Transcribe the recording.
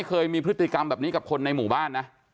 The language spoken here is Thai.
ค่ะ